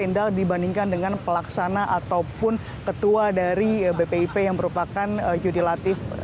indah dibandingkan dengan pelaksana ataupun ketua dari bpip yang merupakan judilatif